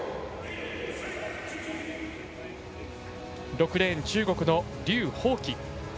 ６レーン、中国の劉鳳岐。